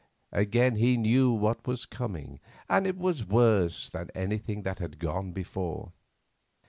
Again he knew what was coming, and it was worse than anything that had gone before.